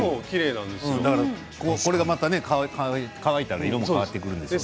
これが乾いたらね色も変わってくるんでしょうし。